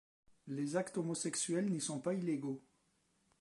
Les actes homosexuels n'y sont pas illégaux.